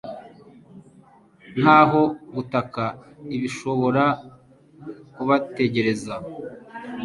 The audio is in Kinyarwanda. nkaho gutaka ibishobora kubategereza